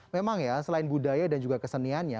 memang ya selain budaya dan juga keseniannya